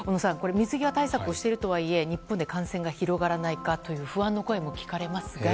水際対策をしているとはいえ日本で感染が広がらないか不安の声も聞かれますが。